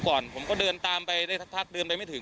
ปฐมพยาบาลคือปฐมพยาบาลเมืองต้นกันก่อน